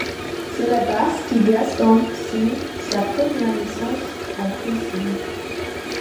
C'est là-bas que Gaston signe sa première licence en poussins.